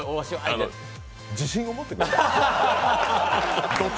自信を持ってください。